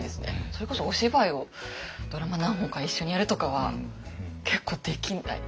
それこそお芝居をドラマ何本か一緒にやるとかは結構できない。